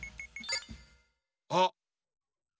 あっ！